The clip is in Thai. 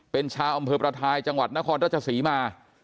เป็นชาวอำเภอประทายจังหวัดนครราชศรีมา